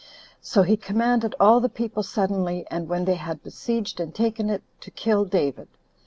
So he commanded all the people suddenly, and when they had besieged and taken it to kill David.